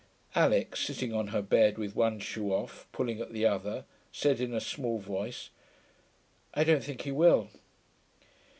Alix, sitting on her bed with one shoe off, pulling at the other, said in a small voice, 'I don't think he will.'